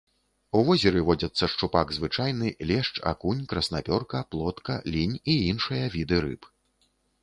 У возеры водзяцца шчупак звычайны, лешч, акунь, краснапёрка, плотка, лінь і іншыя віды рыб.